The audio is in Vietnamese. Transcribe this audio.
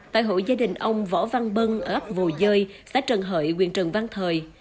tại hội gia đình ông võ văn bân ở ấp vồ dơi xã trần hợi quyền trần văn thời